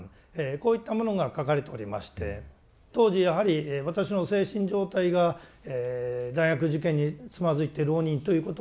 こういったものが書かれておりまして当時やはり私の精神状態が大学受験につまずいて浪人ということもございまして